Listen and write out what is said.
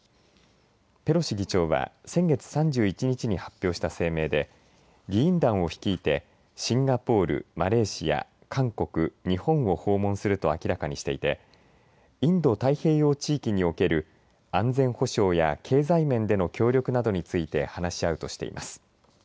ペロシ議長は先月３１日に発表した声明で議員団を率いてシンガポール、マレーシア、韓国日本を訪問すると明らかにしていてインド太平洋地域における安全保障や経済面での協力などについて話し合うとしています。